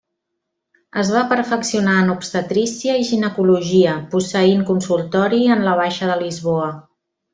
Es va perfeccionar en obstetrícia i ginecologia posseint consultori en la Baixa de Lisboa.